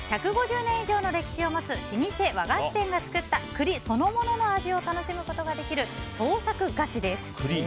１５０年以上の歴史を持つ老舗和菓子店が作った栗そのものの味を楽しむことができる創作菓子です。